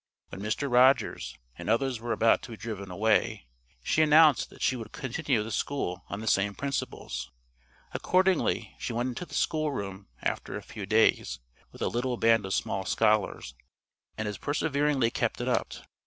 When Mr. Rogers and others were about to be driven away, she announced that she would continue the school on the same principles. Accordingly she went into the school room after a few days, with a little band of small scholars, and has perseveringly kept it up.